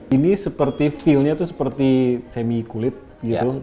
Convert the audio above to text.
ini seperti feelnya itu seperti semi kulit gitu